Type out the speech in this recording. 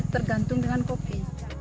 tergantung dengan kopi